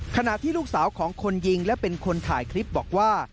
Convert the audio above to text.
ขณะที่ลูกสาวของคนยิงและเป็นคนถ่ายคลิปบอกว่า